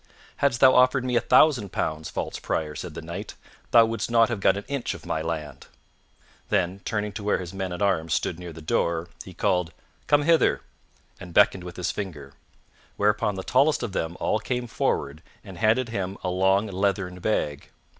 "Hadst thou offered me a thousand pounds, false prior," said the Knight, "thou wouldst not have got an inch of my land." Then turning to where his men at arms stood near the door, he called, "Come hither," and beckoned with his finger; whereupon the tallest of them all came forward and handed him a long leathern bag.